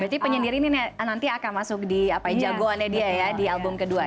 berarti penyendiri ini nanti akan masuk di jagoannya dia ya di album kedua ya